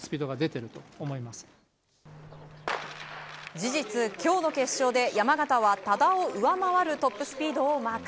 事実、今日の決勝で山縣は多田を上回るトップスピードをマーク。